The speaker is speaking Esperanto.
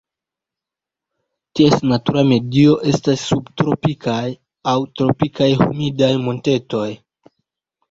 Ties natura medio estas subtropikaj aŭ tropikaj humidaj montetoj.